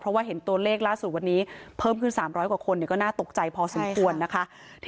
เพราะว่าเห็นตัวเลขล่าสุดวันนี้เพิ่มขึ้น๓๐๐กว่าคนก็น่าตกใจพอสมควรนะคะ